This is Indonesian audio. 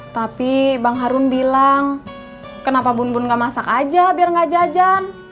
tapi bang harun bilang kenapa bun bun nggak masak aja biar nggak jajan